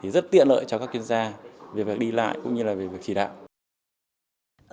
rất tiện lợi cho các chuyên gia về việc đi lại cũng như là về việc chỉ đạo